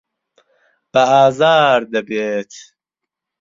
بە ئازار دەبێت.